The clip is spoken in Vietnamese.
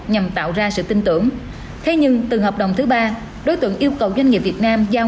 nhằm tạo ra sự tin tưởng thế nhưng từ hợp đồng thứ ba đối tượng yêu cầu doanh nghiệp việt nam giao